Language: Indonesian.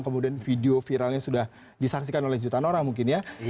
kemudian video viralnya sudah disaksikan oleh jutaan orang mungkin ya